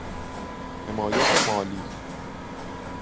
حمایت مالی